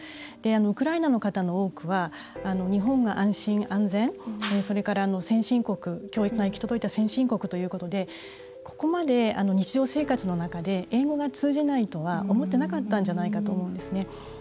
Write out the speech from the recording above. ウクライナの人の多くは日本が安心・安全、それから教育が行き届いた先進国ということで、ここまで日常生活の中で英語が通じないとは思ってなかったんじゃないかと思います。